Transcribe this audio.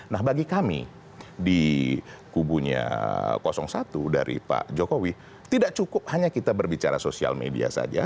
nah bagi kami di kubunya satu dari pak jokowi tidak cukup hanya kita berbicara sosial media saja